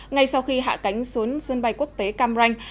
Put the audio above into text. ngay sau khi hạ cánh xuống sân bay quốc tế cam ranh